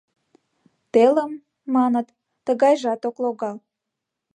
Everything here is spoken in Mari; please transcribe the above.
Телым, маныт, тыгайжат ок логал.